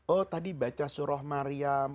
oh tadi baca surah mariam